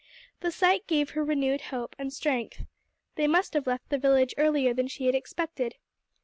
The sight gave her renewed hope and strength. They must have left the village earlier than she had expected.